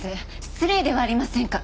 失礼ではありませんか！